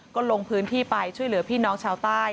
ก็ลงพื้นที่ไปช่วยเหลือพี่น้องชาวใต้